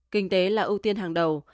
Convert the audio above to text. kinh tế là ưu tiên hàng đầu